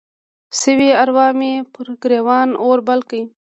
سوي اروا مې پر ګریوان اور بل کړ